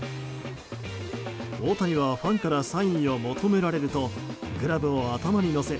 大谷はファンからサインを求められるとグラブを頭に載せ